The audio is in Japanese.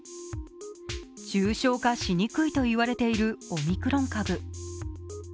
重症化しにくいといわれているオミクロン株。